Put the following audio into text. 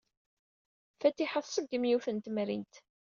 Fatiḥa tṣeggem yiwet n temrint.